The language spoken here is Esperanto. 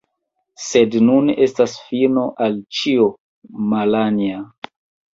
sed nun estas fino al ĉio, Malanja.